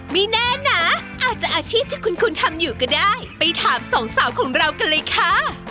ไม่แน่นะอาจจะอาชีพที่คุณทำอยู่ก็ได้ไปถามสองสาวของเรากันเลยค่ะ